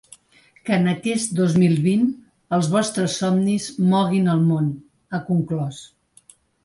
Que en aquest dos mil vint els vostres somnis moguin el món, ha conclòs.